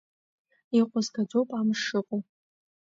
Иҟәызгаӡоуп амш шыҟоу.